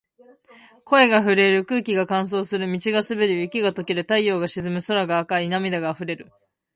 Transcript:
声が震える。空気が乾燥する。道が滑る。雪が解ける。太陽が沈む。空が赤い。涙が溢れる。